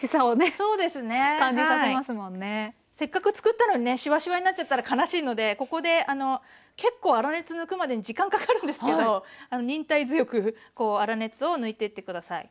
せっかく作ったのにねシワシワになっちゃったら悲しいのでここで結構粗熱抜くまでに時間かかるんですけど忍耐強くこう粗熱を抜いてって下さい。